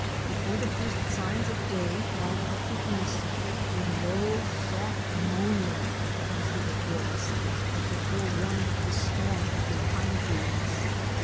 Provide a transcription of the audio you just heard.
Before the first signs of day light up the east, a low, soft moaning comes through the forest, like the forewarning yf a storm through pine trees.